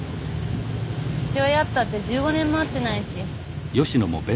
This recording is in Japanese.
父親ったって１５年も会ってないし。